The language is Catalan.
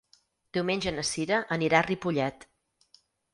Diumenge na Sira anirà a Ripollet.